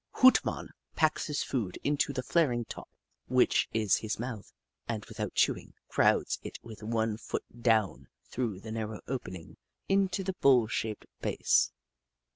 Hoot Mon packs his food into the flaring top, which is his mouth, and with out chewing, crowds it with one foot down through the narrow opening, into the bulb shaped base.